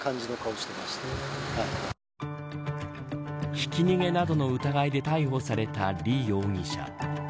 ひき逃げなどの疑いで逮捕された李容疑者。